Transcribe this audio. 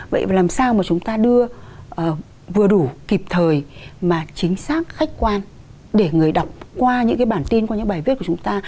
vậy và làm sao mà chúng ta đưa vừa đủ kịp thời mà chính xác khách quan để người đọc qua những cái bản tin qua những bài viết của chúng ta